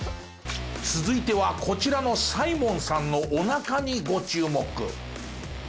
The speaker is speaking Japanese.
続いてはこちらのサイモンさんのお腹にご注目。